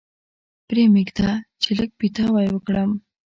پرې مېږده چې لږ پیتاوی وکړم.